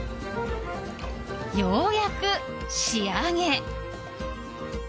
ようやく仕上げ。